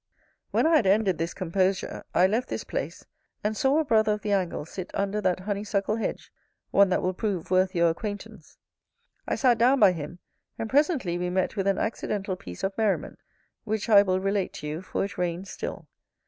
When I had ended this composure, I left this place, and saw a brother of the angle sit under that honeysuckle hedge, one that will prove worth your acquaintance. I sat down by him, and presently we met with an accidental piece of merriment, which I will relate to you, for it rains still.